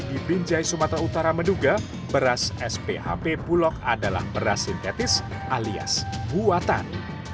di binjai sumatera utara menduga beras sphp bulog adalah beras sintetis alias buatan